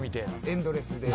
エンドレスで。